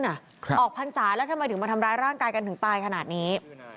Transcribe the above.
ออกพรรษาแล้วทำไมถึงมาทำร้ายร่างกายกันถึงตายขนาดนี้